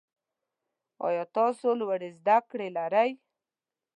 آیا تاسو لوړي زده کړي لرئ؟